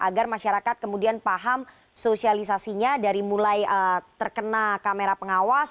agar masyarakat kemudian paham sosialisasinya dari mulai terkena kamera pengawas